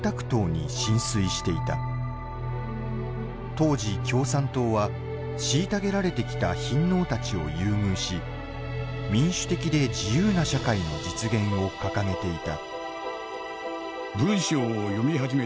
当時共産党は虐げられてきた貧農たちを優遇し民主的で自由な社会の実現を掲げていた。